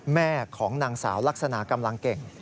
แม่ของนางสาวลักษณะกำลังเก่ง